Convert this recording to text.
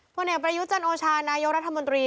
พระเนกประยุจรรย์โอชานายุรัฐมนตรี